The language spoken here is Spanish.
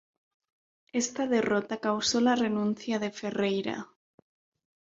Esta derrota causó la renuncia de Ferreyra.